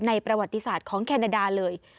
ประวัติศาสตร์ของแคนาดาเลย